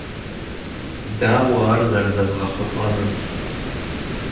Как этого добиться?